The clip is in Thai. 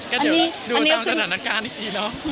ก็เดี๋ยวดูตามสถานการณ์ที่คือน้อง